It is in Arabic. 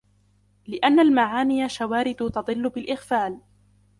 لِأَنَّ الْمَعَانِيَ شَوَارِدُ تَضِلُّ بِالْإِغْفَالِ